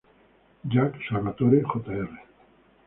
Jack Salvatore Jr.